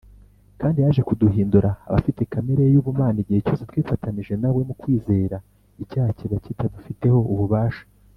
. Kandi yaje kuduhindura abafite kamere ye y’Ubumana. Igihe cyose twifatanije na we mu kwizera, icyaha kiba kitakidufiteho ububasha